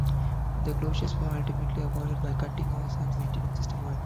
The closures were ultimately avoided by cutting hours and maintenance system-wide.